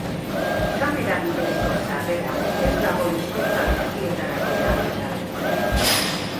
Kamera bidezko sarrera ez dago hizkuntza guztietarako erabilgarri.